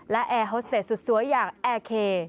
และแอร์ฮอสเตสสวยอย่างแอร์เคย์